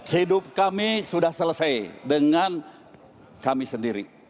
hidup kami sudah selesai dengan kami sendiri